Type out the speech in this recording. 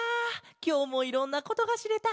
きょうもいろんなことがしれた。